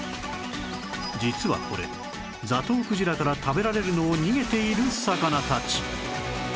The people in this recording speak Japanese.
実はこれザトウクジラから食べられるのを逃げている魚たち